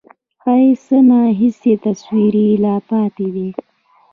هَی؛ څه نا اخیستي تصویرونه یې لا پاتې دي